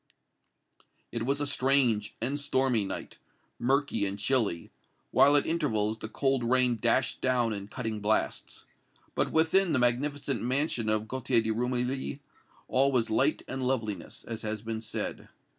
It was a strange and stormy night murky and chilly while at intervals the cold rain dashed down in cutting blasts. But within the magnificent mansion of Gaultier de Rumilly all was light and loveliness, as has been said.